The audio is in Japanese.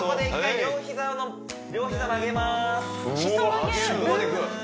両膝曲げます